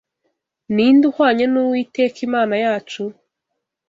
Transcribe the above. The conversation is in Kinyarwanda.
Ni nde uhwanye n’Uwiteka Imana yacu,